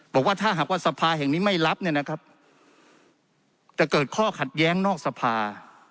บอกว่าถ้าหากว่าสภาแห่งนี้ไม่รับเนี่ยนะครับจะเกิดข้อขัดแย้งนอกสภา